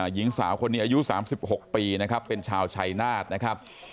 หญิงสาวคนนี้อายุ๓๖ปีนะครับเป็นชาวชัยนาธนะครับ